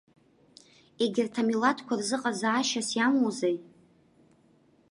Егьырҭ амилаҭқәа рзыҟазаашьас иамоузеи.